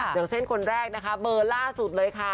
อย่างเช่นคนแรกนะคะเบอร์ล่าสุดเลยค่ะ